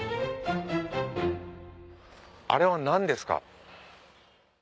あれは何ですか？